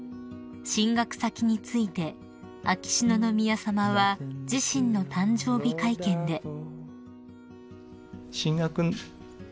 ［進学先について秋篠宮さまは自身の誕生日会見で］